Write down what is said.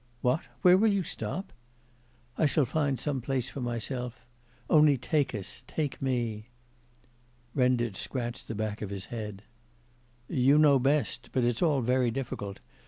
'What? where will you stop?' 'I shall find some place for myself; only take us, take me.' Renditch scratched the back of his head. 'You know best; but it's all very difficult.